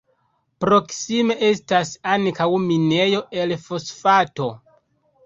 Proksime estas ankaŭ minejo el fosfato.